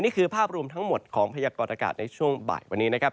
นี่คือภาพรวมทั้งหมดของพยากรอากาศในช่วงบ่ายวันนี้นะครับ